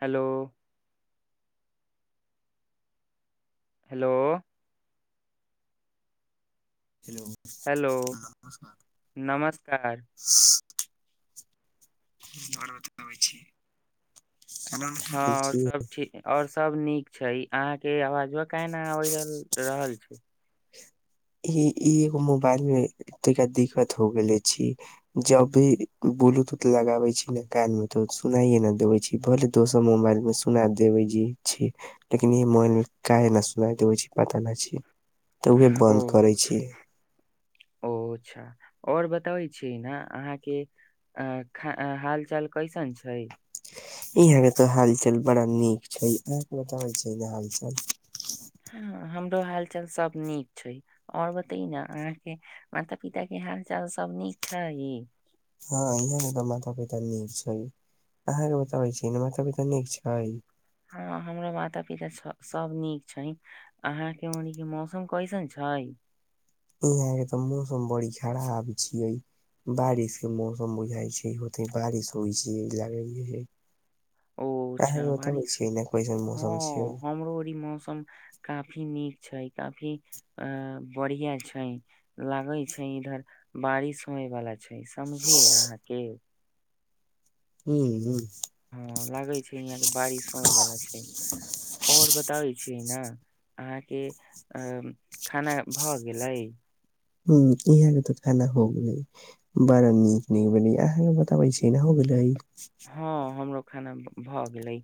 Hello. [unintelligible] Hello. [unintelligible] Hello hello [unintelligible] आओर नमस्कार। [unintelligible] [unintelligible] आर बताबै छी। खाना उना खा हँ लेल आओर छी सब ठीक आओर। [inaudible] सब नीक छै अहाँके आवाजवा काहे न अबे जाव [unintelligible] रहल छै। ई ई एगो मोबाइल मे एता [unintelligible] दिक्कत हो गेले छी जब भी ब्लूटूथ लगाबे छी ने कान मे तऽ सुनाई न देवे छी भले दोसर मोबाइल मे सुना देवे जी छी लेकिन ई मोबाइल मे काहे न सुनाई देवे छी पता नहि छि। [unintelligible] तऽ उहे ओ बन्द। [unintelligible] करै छीयै। [unintelligible] ओ अच्छा आओर बताबै छी ने अहाँके अ- ख हाल चाल कैसन छै। [unintelligible] इहे तऽ हालचाल बड़ा नीक छै एक [unintelligible] बता होइ छै ने हालचाल। हँ हमरो हाल चाल सब नीक छै आओर बते न अहाँ के माता पिता के हाल चाल सब नीक छै। [unintelligible] हँ इहाँ ने तऽ माता पिता नीक छै अहाँके बताबै छी माता पिता नीक छै। [unintelligible] हँ हमरा माता पिता सभ सभ नीक छै अहाँके ओनी के मौसम कैसन छै। [unintelligible] यहा के तऽ मौसम बड़ी खराब छियै बारिश के मौसम बुझाइ छै होते बारिश होइ छै लाग। [inaudible] ओछा बारिश कैसन हँ मौसम छै हमरो ई मौसम काफी नीक। [inaudible] छै काफी अ बढ़िया छै लागे छै इधर बारिश होयवाला। छै समझिय अहाँके। [unintelligible] हूं -हूं। [unintelligible] हँ लागे छै यहाँ के बारिश होय बाला छै आओर बताबै छीयै ने। [unintelligible] अहाँके अ खाना भऽ गेलै। [unintelligible] ह इहाँ के तऽ खाना हो गेलै बड़ा नीक भेलै [unintelligible] या अहाँके बताबै छैना हो गेले। हँ हमरो। [inaudible] खाना भऽ गेलै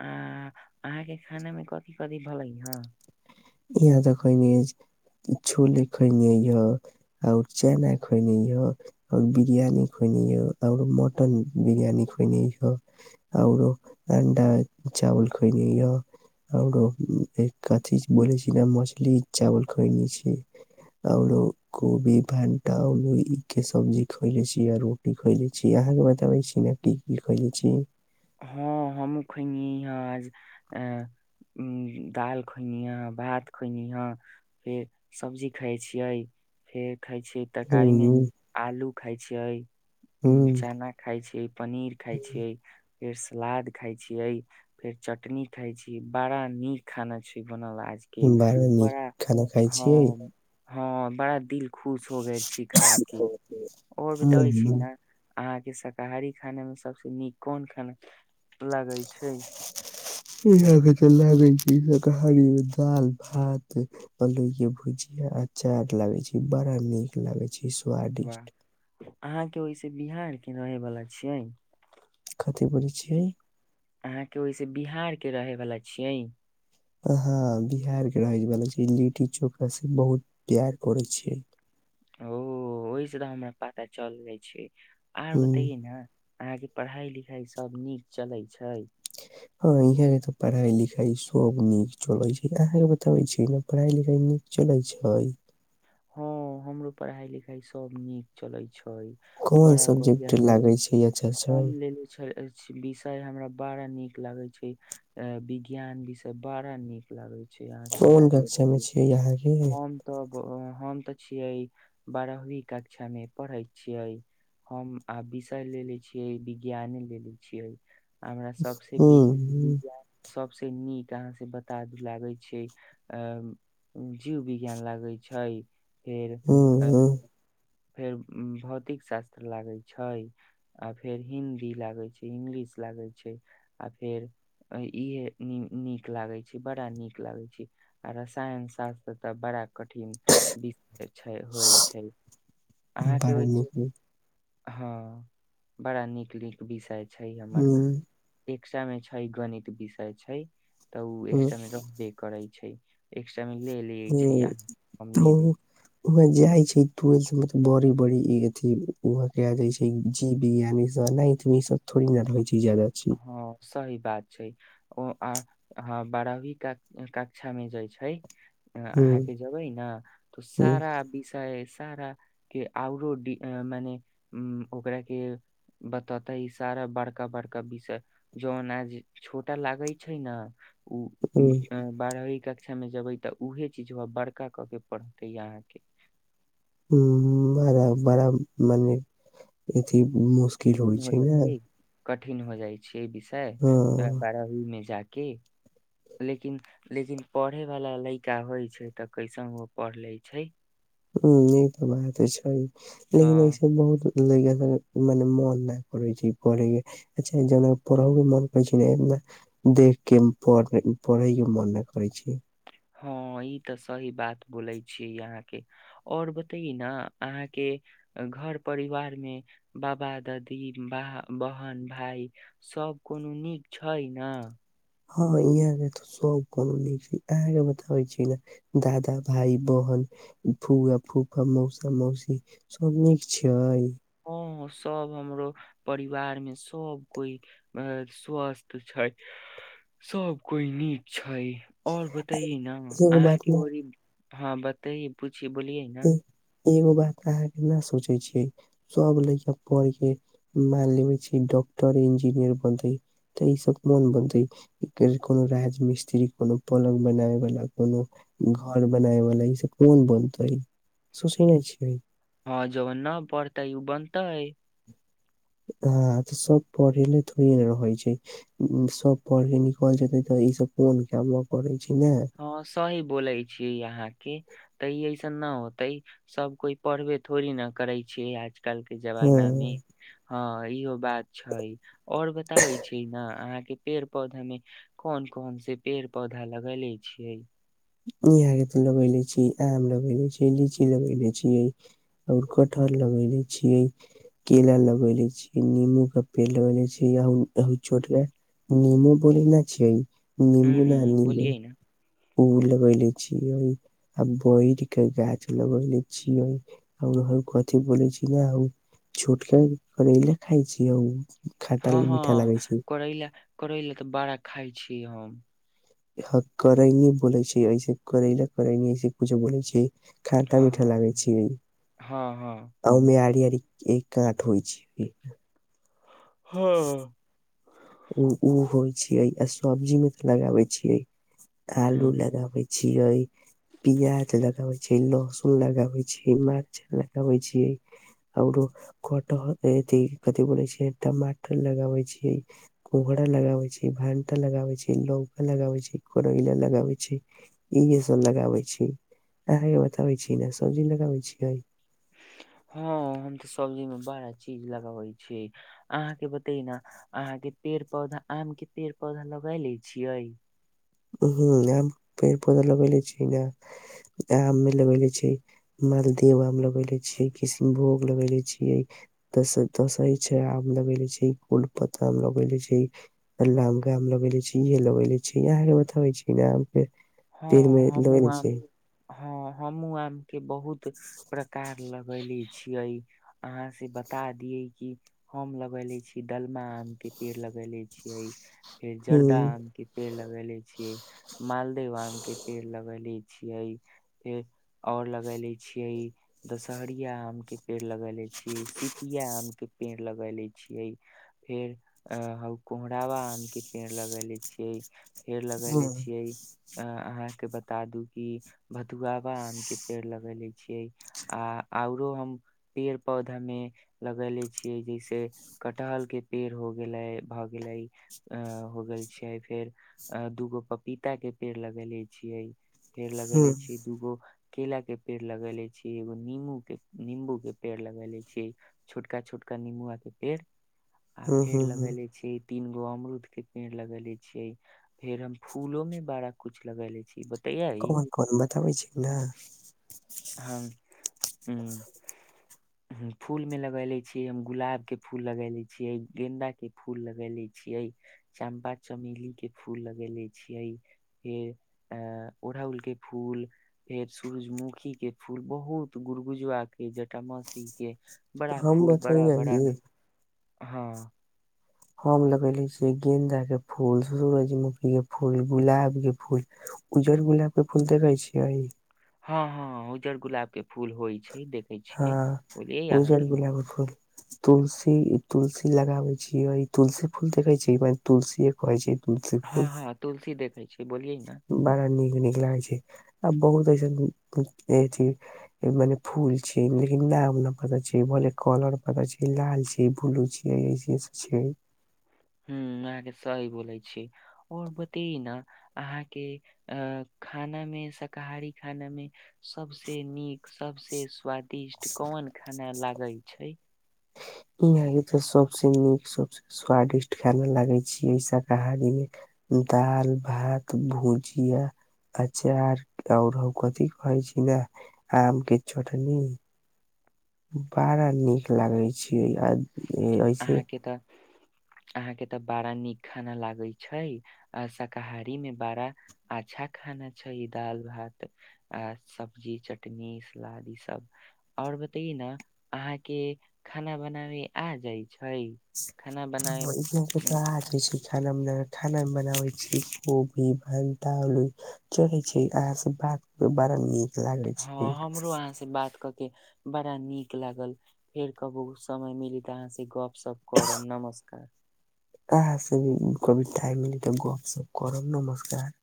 आ अहाँके खानामे कथि- कथि भलै हं। [unintelligible] यहाँ तऽ खइनी अइछ छोले खयनी आओर चना खइनी यह आओर बिरियानी खयनी यह आओर मटन बिरियानी खइनी औरो अंडा चावल खगनी य आओरो कथी। [unintelligible] ब छी ने मछली चावल खुइ ल छी आलो कोबी भणटाल ई के सब्जी खुएले छी आ रोटी खुइले छी अहाँके बताबै छी ने की की खुइले छी। [unintelligible] हमूह खगनी है आज आ उ दालि खगनी है, भात खइनी है, फेर सब्जी खाय, छियै फेर। [unintelligible] खाइ छै तरकारी मे उम्म आलू। [unintelligible] खाइ छियै। [unintelligible] उम्म चना खाय छियै, पनीर खाइ छियै, फेर सलाद। खाय छियै फेर चटनी खाय छी बड़ा नीक खाना छै। [unintelligible] बनल आज के निक बड़ा खाना खाय छिये हँ- हँ बड़ा दिल खुश हो गेल छी खा के [unintelligible] आओर बताबै छी उम्म ने। अहाँके शाकाहारी खानामे सभसँ नीक कोन खाना। [unintelligible] लगै छैय। [unintelligible] यह लागे छै शाकाहारी मे दाल भात आलु के भुजिया अचार लागे छैय बड़ा नीक लागे छैय। [unintelligible] स्वादिष्ट। [unintelligible] अहाँ के ओइसे बिहार के रहे वलाा छियै। [unintelligible] कथी बोलै छियै। [unintelligible] अहाँके ओहिसँ बिहारके रहैवला छियै। [unintelligible] हँ बिहारके रहवलाा छैय लिट्टी चोखाँ से बहुत प्यार करै छियै। [unintelligible] ओ -ओहि से तऽ हमरा पता चल जाइ छैय। [unintelligible] आउर उम्म बताइए न। [unintelligible] अहाँ के पढ़ाई लिखाई सब नीक चलैत छैय। [unintelligible] हँ यहाँ के तऽ पढ़ाई लिखाई सब नीक चलैत छैय अहाँके बताबै छी ने पढ़ाई लिखाई नीक चलैत छैय। [unintelligible] हँ हमरो पढ़ाई लिखाई सब नीक चले छैय। [unintelligible] कोन बड़ा बढ़िया सब्जेक्ट से लागे छै अच्छा छै फॉर्म लेले छल विषय हमरा। [unintelligible] बड़ा निक लागे छैय विज्ञान विषय बड़ा निक लागे छैय। [unintelligible] कोन कक्षा मे छियै यहाँ। [unintelligible] हम तऽ ब अ। [unintelligible] हम तऽ छियै बारहवी कक्षा मे पढ़ै छियै हम आ विषय लेे छियै विज्ञाने लेने छियै। [unintelligible] हमरा सबसे उम्म विज्ञान सब। [unintelligible] सबसे नीक अहाँ से बता दु लागे छैय अ। [unintelligible] जीव विज्ञान लागै छैय। [unintelligible] फेर अ। [unintelligible] उम्म फेर भौतिक शास्त्र लागैत, छैय आ फेर हिदी लागैत, छैय इंग्लिश लागैत, छैय आ फेर इहे नीक लागैत छैय बड़ा नीक लागैत छैय आ रसायन शास्त्र तऽ बड़ा कठिन विषय छैय होल छैय। [unintelligible] बाड़मी में। [unintelligible] हँ बड़ा नीक- नीक विषय। [unintelligible] छै हमर एक। उम्म [unintelligible] शिक्षा मे छैय गणित विषय छैय। [unintelligible] त ओ एक्ट्रा में रहबे करै छैय। [unintelligible] छैय एक। [unintelligible] ह [unintelligible] त ले वह जाइ छैय। तुर सब मतब बड़ी ब-ड़ी ई अथी वह जाय छै जीव विज्ञान इ सब नाइंथ में ई सब। [unintelligible] थोड़ी ना रहै छी, जादा छी। हँ सही बात छै ओ आ अहाँ बारहवी क कक्षा मे जाय छै। अ अहाँ उम्म। के जेबै ने तो सारा विषय सारा के आओरो मने [unintelligible] ओकरा के बतताई सारा बड़का। बड़का- बड़का विषय जौन आज छोटा लागै छै ने। [unintelligible] उम्म [unintelligible] ओ बारह होइ कक्षा। क्षा मे जेबै तऽ उहे चीज व बड़का कऽ के पढ़तै अहाँके। ह्म्म-ह्म्म। बारा बारा मने एथी मुस किल होय हो छै नै। जेतै कठिन हो जाय छै। के विषय ए बारहवी मे जा के लेकिन, लेकिन पढ़ेवाला लयका होय छै ते कैसनो पढ़ ले छै। ह्म्म ई तऽ बाते छै। हँ लेकिन ओय से बहुत लयका सब के मने मोन नै करै छै पढ़ैके, अच्छा जना पढ़ौ के मन करै छै ने एना देखके पढ़े पढ़ैके मन नै करै छै। हाँ ई तऽ सही बात बोलै छी अहाँके और बताई ना अहाँके घर-परिवार मे बाबा, दादी, भा, बहन, भाय सब कुनू नीक छै ने। हाँ इहाँ के तो सब कोनो नीक छी, अहाँ के बताबै छी ने दादा, भाई, बहन, फूआ, फूफा, मौसा, मौसी सब नीक छै। हाँ सब हमरो परिवार मे सब कोई अ स्वस्थ छै, सब कोई नीक छै। हय और बताई ना कोनो बात अहाँके ने ओरी हाँ बताई पु छी बोलियै ना। ए एगो बात अहाँ के ना सोचे छी, सब लयका पढ़ के मान लेबे छी डॉक्टर, इंजीनियर बनते तऽ ई सब कोन बनते कोनो राज मिस्त्री, कोनो पलंग बनावे वाला, कोनो घर बनाए वला ई सब कोन बनते। सोचे नै छी। हाँ जबन ना पढ़तै उ बनतै। हाँ तऽ सब पढ़ेले थोड़िये ने रहै छै, उम्म सब पढ़ के निकल जेते तऽ ई सब कोन कामा करै हाँ सही बोलै छी इहाँ के तऽ इ ऐसन ना होते, सब कोय पढ़बे थोड़ी ना करै छै आज काल के जमाना मे। हां हाँ इहो बात छै। और बताबै छी ना अहाँ के पेड़-पौधा में कौन-कौन से पेड़-पौधा लगैले छिये। इहाँ के ते लगेले छी, आम लगेले छी, लीची लगेेले छीये और कठहर लगले छीये, केला लगेले छीये, निमू का पेड़ लगेले छीये, [unintelligible] और छोटका निम्मू बोलै ना छीये। हूँ नींबू ना हूँ नींबू। बोलियै न उ लगैले छीये आ बैर के गाछ लगैले छीये आ उ हऊ कथी बोैलै छी ने हऊ छोटका करेला खाय छीये उ खट्टा हँ मीठा -हँ लागे छै करैला। [unintelligible] करै लए तऽ बड़ा खाइ छी हम। [unintelligible] ह करैनी बोलै छै ऐसे करै ल करे ऐसे कुछो बोलै छै। [unintelligible] खाटा हँ मीठा हँ लागै छी हँ हँ आ म आ। [unintelligible] एक एक कांट होय छै। हां। ओ होइ छैियै आ सब्जी मे तऽ लगाबै छियै आलू हूँ लगाबै छियै, प्याज लगाबै छियै, लहसुन लगाबै छियै, मर्च लगाबै छियै, आओरो कटहर अथि कथि बोलै छै टमाटर लगाबै छियै,। कोहरा लगाबे छैय, भानटा लगाबे छैय, लौका लगाबे छैय करैला लगाबे छैय, इहे सब लगाबे छैय अहाँ के बताबे छी ने सब्जी लगाबे छीयै। [unintelligible] हँ हम तऽ सब्जी मे बड़ा चीज लगाबै छियै अहाँके बते न अहाँके पेड़ पौधा आम के पेड़ पौधा लगााय ले छियै। [unintelligible] हूँ हम पेड़ पौधा लगेे छीये ने आम मे लगेने छीये मालदव आम लगेने, छीये किसनभोग लगेले छीये, दसई छैय आम लगेने छीये, कोलपत आम लगेने छैये लंगा आम लगेने छीये के लगे इहे लगे यह। [unintelligible] बतावे छी न। [unintelligible] हँ पेरमे लऽ लगेले हमहुँ आम छीयै। [unintelligible] हँ हमूँ आम के बहुत प्रकार लगैले छियै अहाँ से बता दिय कि हम लगैले छीयै डलमा आम के पेड़ लगैले छियै। [unintelligible] फेर हूं जर्दा आम के पेड़ लग। [unintelligible] भेलेई छिय माल। [unintelligible] देव आम के पेड़ लगेले छियै फेर ओर लगले छियै दशहरिया आम के पेड़ लगेले छियै, सिपिया आम के पेड़ लगले छियै, फेर कोहरावा आम के पेड़ लगेले छियै। [unintelligible] पेड़ हूं लगेले छियै। [unintelligible] अहाँके बता दू कि भदुआबा आम के पेड़ लगेले छियै आ औरो हम पेड़ पौधा मे लगेले छियै जैसे कटहल के पेड़, हो गेलै भऽ गेले हो गेल छै फेर दूगो पपीता के। पेड़ लगेले छियै। [unintelligible] फेर हूं लगेेले छीये दूगो। [unintelligible] केला के पेड़ लगेेले छीये, एगो निम्बू के निम्बू के पेड़, लगेले छीये छोटका -छोटका नींबूआ के पेड। [unintelligible] आ हूं फेर हूं लगेले छीये। [unintelligible] तीन गो अमरुद के पेड़ लगेेले छीये फेर हम फूलो में बारा। [unintelligible] कुछ लगेले छीये। [unintelligible] कोन -कोन बताबै छैय नई। [unintelligible] हम उ फूल मे लगेने लछियै हम गुलाब के फूल लगै [unintelligible] ले छियै गेन्दा के फूल लगै ले छियै, चम्पा चमेली, के फूल लग ले छियै फेर ओड़हुल के फूल, फेर सूरजमुखी। [unintelligible] के फूल बहुत गुड़ गुजवा के जटा मसी के। बड़ा हम फूल बड़ा बतईआई बड़ा ई। [unintelligible] हँ। [unintelligible] हम लगेले छियै गेंन्दा के फूल, सूरजमुखी के फूल, गुलाब के फूल, उज्जर गुलाब, के फूल, देखे छियै हँ- हँ उज्जर गुलाब के फूल होइ छैय। [unintelligible] हँ [unintelligible] उज्जर गुलाब फुल। तुलसी -तुलसी लगााबइ छीयै तुलसी फूल देखै छीयै ओइमे तुलसीए फरई छैय। हँ -हँ तुलसी देखे छीयै। [unintelligible] बड़ा नीक -नीक लाग छैय आ बहुत। [unintelligible] जैसे में अ ऐथी मने फूल छैय लेकिन नाम नहि पता छैय भले कलर पता छैय लाल छैय ब्लू छसे छैय। [unintelligible] ह्म अहाँके सही बोलै छी आओर बते ने अहाँके अ खाना मे शाकाहारी खानामे सभस नीक सभस स्वादिष्ट कोन खाना लागै छैय। [unintelligible] यहाँ के तऽ सबसे नीक सबस स्वादिष्ट खाना लागै छी एहि शाकाहारी मे दाल भात, भुजिया, अचार, आऔर कथी कहै छी ने आम के चटनी,। ह। [unintelligible] बड़ा नीक लागे छैय आ। [unintelligible] अहाँ के तऽ। [unintelligible] अहाँके तऽ बड़ा नीक खाना लागै छै आ शाकाहारी मे बड़ा अच्छा खाना छै दालि भात, आ सब्जी, चटनी सलाद ई, सब आओर बतयए ने अहाँके खाना बनाबे। आ जाइ। [unintelligible] खाना ह इ क बनाबे तऽ छै खाना। [unintelligible] खाना मे बनावे छी कोबी आलू चढ़े छै आहाँ से बात बड़ा नीक। [unintelligible] लागै छै। हँ हमरो [unintelligible] अहाँ से बात कऽ के बड़ा नीक लागल फेर कहबू समय मिली तऽ अहाँ से गप सप करब नमस्कार। [unintelligible] आ से कबी इ मिल तऽ गप सप करब नमस्कार। [unintelligible]